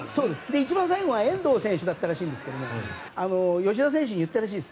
一番最後は遠藤選手だったんですが吉田選手に言ったらしいです。